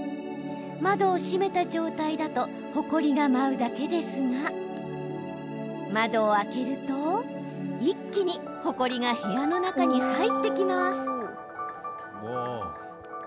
窓を閉めた状態だとほこりが舞うだけですが窓を開けると、一気にほこりが部屋の中に入ってきます。